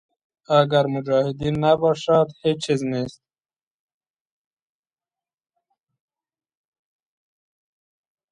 اګر مجاهدین نباشد هېچ چیز نیست.